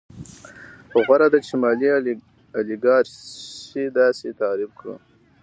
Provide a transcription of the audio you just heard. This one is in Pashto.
غوره ده چې مالي الیګارشي داسې تعریف کړو